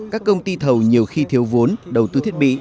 các công ty thầu nhiều khi thiếu vốn đầu tư thiết bị